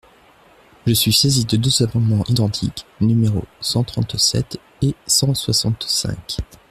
Je suis saisie de deux amendements identiques, numéros cent trente-sept et cent soixante-cinq.